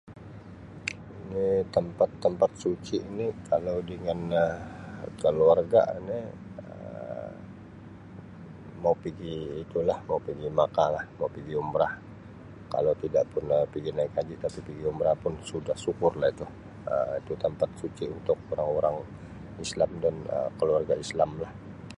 Ni tempat tempat suci ni kalau dengan Um keluarga ni Um mau pigi itu lah mau pigi Makkah lah mau pigi Umrah kalau tidak pun Um pigi naik haji kasi pigi Umrah pun sudah syukur lah tu Um tu tempat suci untuk orang orang islam dan Um keluarga islam lah